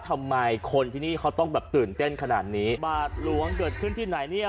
ทำไมคนที่นี่เขาต้องแบบตื่นเต้นขนาดนี้บาทหลวงเกิดขึ้นที่ไหนเนี่ย